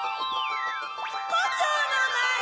コチョウのまい！